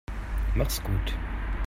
Mach's gut.